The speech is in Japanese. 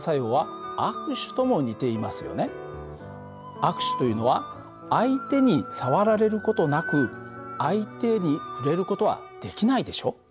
握手というのは相手に触られる事なく相手に触れる事はできないでしょ？